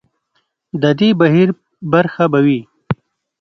د دې بهیر برخه به وي.